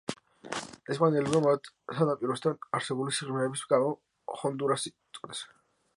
ესპანელებმა მას სანაპიროსთან არსებული სიღრმეების გამო ჰონდურასი უწოდეს.